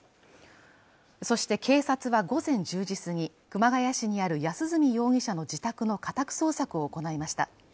そして警察は、午前１０時過ぎ、熊谷市にある安栖容疑者の自宅の家宅捜索を行いました。